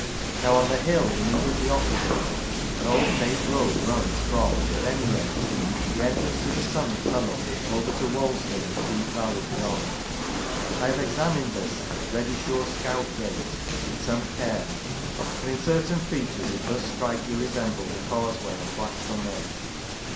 Now on the hill immediately opposite an old paved road runs from (at any rate) the entrance to the Summit tunnel over to Walsden in the deep valley beyond. I have examined this " Reddyshore Scout gate " with some care, and in certain features it does strikingly resemble the causeway on Blackstone Edge.